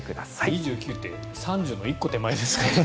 ２９って３０の１個手前ですからね。